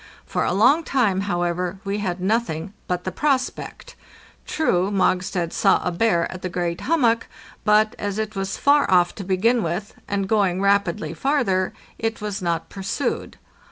For a long time, however, we had nothing but the prospect. True, Mogstad saw a bear at the great hummock, but, as it was far off to begin with, and going rapidly farther, it was not pursued.